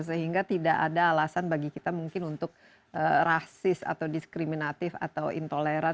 sehingga tidak ada alasan bagi kita mungkin untuk rasis atau diskriminatif atau intoleran